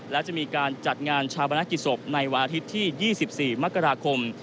และจะมีการจัดงานชาวบรรณกิจศพในวันอาทิตย์ที่๒๔มกราคม